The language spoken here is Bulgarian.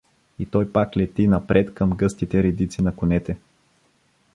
И той пак лети напред към гъстите редицина конете.